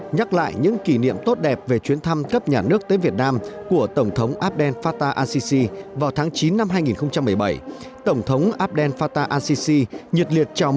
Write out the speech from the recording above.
nhắc lại những kỷ niệm tốt đẹp về chuyến thăm cấp nhà nước tới việt nam của tổng thống abdel fattah